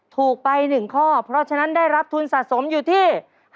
ถูกไป๑ข้อเพราะฉะนั้นได้รับทุนสะสมอยู่ที่